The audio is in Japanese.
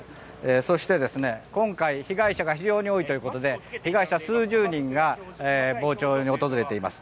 そして今回、被害者が非常に多いということで被害者数十人が傍聴に訪れています。